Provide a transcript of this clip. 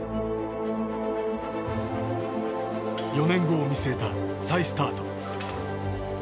４年後を見据えた再スタート。